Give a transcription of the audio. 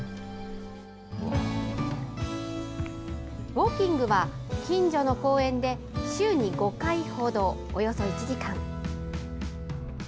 ウォーキングは、近所の公園で週に５回ほど、およそ１時間。